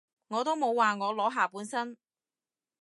我都冇話我裸下半身